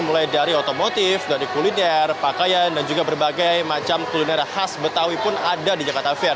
mulai dari otomotif dari kuliner pakaian dan juga berbagai macam kuliner khas betawi pun ada di jakarta fair